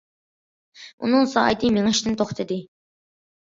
ئۇنىڭ سائىتى مېڭىشتىن توختىدى.